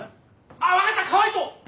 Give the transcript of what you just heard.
あっ分かったかわいそう！